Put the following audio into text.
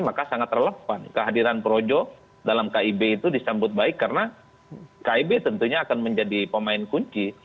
maka sangat relevan kehadiran projo dalam kib itu disambut baik karena kib tentunya akan menjadi pemain kunci